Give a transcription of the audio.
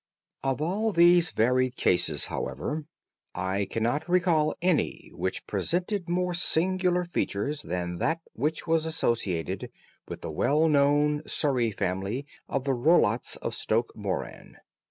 Of all these varied cases, however, I cannot recall any which presented more singular features than that which was associated with the well known Surrey family of the Roylotts of Stoke Moran.